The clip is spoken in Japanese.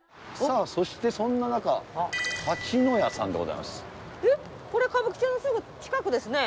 さあそしてそんな中蜂の家さんでございます。